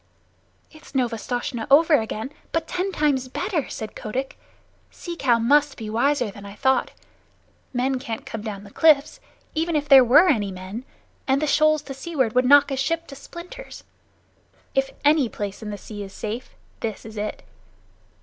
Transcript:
"It's Novastoshnah over again, but ten times better," said Kotick. "Sea Cow must be wiser than I thought. Men can't come down the cliffs, even if there were any men; and the shoals to seaward would knock a ship to splinters. If any place in the sea is safe, this is it."